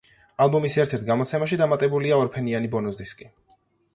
ალბომის ერთ-ერთ გამოცემაში დამატებულია ორფენიანი ბონუს დისკი.